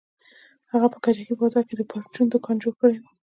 هغه په کجکي بازار کښې د پرچون دوکان جوړ کړى و.